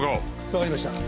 わかりました。